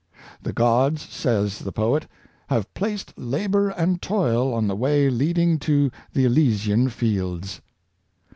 The gods, says the poet, have placed labor and toil on the way leading to the Elysian fields.